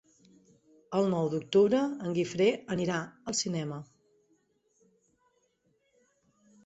El nou d'octubre en Guifré anirà al cinema.